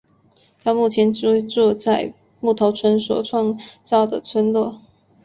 他目前居住在木头村所创造的村落。